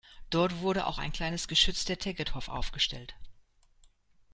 Dort wurde auch ein kleines Geschütz der "Tegetthoff" aufgestellt.